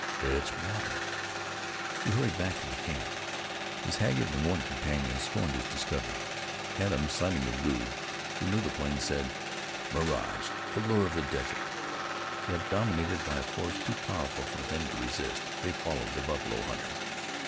"It's water." He hurried back to camp. His haggard and worn companions scorned his discovery. Adams siding with Rude, who knew the plains, said: "Mirage! the lure of the desert!" Yet dominated by a force too powerful for them to resist, they followed the buffalo hunter.